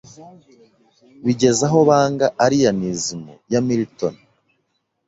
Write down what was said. bigeze aho banga Arianism ya Milton